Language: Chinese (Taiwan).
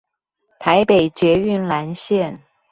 臺北捷運藍線